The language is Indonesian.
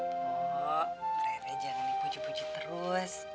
pok rere jangan nih puji puji terus